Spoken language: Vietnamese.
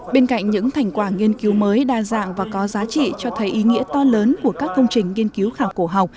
bên cạnh những thành quả nghiên cứu mới đa dạng và có giá trị cho thấy ý nghĩa to lớn của các công trình nghiên cứu khảo cổ học